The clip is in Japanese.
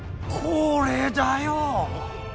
これだよ！